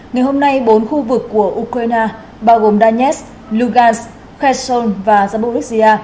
ngày hôm nay bốn khu vực của ukraine bao gồm danesk lugansk kherson và zamborizhia